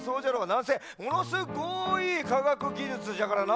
なんせものすごいかがくぎじゅつじゃからな。